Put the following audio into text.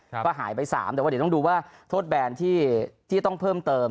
ก็หายไปสามแต่ว่าเดี๋ยวต้องดูว่าโทษแบนที่ต้องเพิ่มเติม